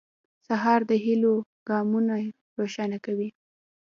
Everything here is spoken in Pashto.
سهار د هيلو ګامونه روښانه کوي.